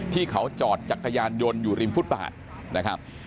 ที่เขาจอดจักรยานยนต์อยู่ริมฟุตบาทนะครับ